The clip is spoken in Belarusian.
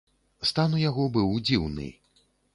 Стан у яго быў дзіўны.